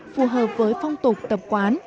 phù hợp với phong tục tập quán